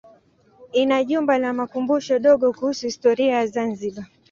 Ina jumba la makumbusho dogo kuhusu historia ya Zanzibar.